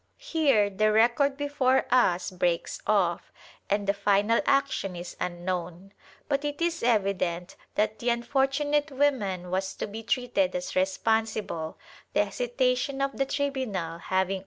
Here the record before us breaks off and the final action is unknown, but it is evident that the unfortunate woman was to be treated as responsible, the hesitation of the tribunal having only Chap.